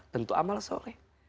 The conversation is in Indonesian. tentu amal soleh